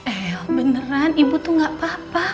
eh beneran ibu tuh gak apa apa